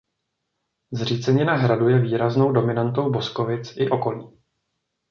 Zřícenina hradu je výraznou dominantou Boskovic i okolí.